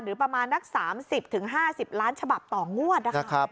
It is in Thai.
หรือประมาณนัก๓๐๕๐ล้านฉบับต่องวด